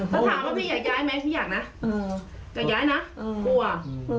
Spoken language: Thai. ถ้าถามว่าพี่อยากย้ายไหมพี่อยากนะอยากย้ายนะกลัว